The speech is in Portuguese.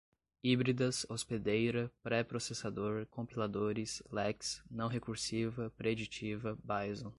híbridas, hospedeira, pré-processador, compiladores, lex, não-recursiva, preditiva, bison